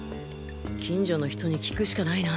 近所の人に聞くしかないな。